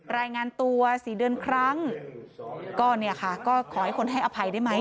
รายงานตัว๔เดือนครั้งก็ขอให้คนให้อภัยได้ไหม